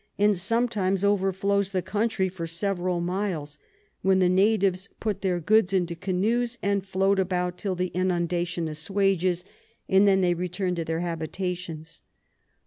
and sometimes overflows the Country for several miles, when the Natives put their Goods into Canoes, and float about till the Inundation assuages, and then they return to their Habitations.